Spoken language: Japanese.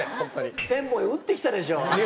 １０００本打ってきたでしょ。